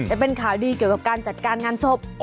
จะเป็นข่าวดีเหนือการจัดการงานอ่อ